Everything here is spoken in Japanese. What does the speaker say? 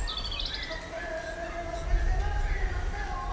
北海道ならではのお魚ちゃんが釣れましたよ。